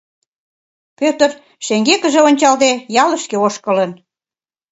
Пӧтыр, шеҥгекыже ончалде, ялышке ошкылын.